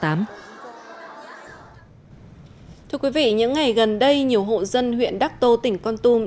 thưa quý vị những ngày gần đây nhiều hộ dân huyện đắc tô tỉnh quang tung